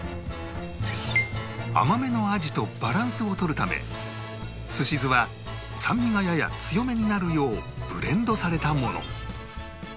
甘めの鯵とバランスをとるため寿司酢は酸味がやや強めになるようブレンドされたもの